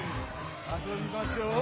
あそびましょう。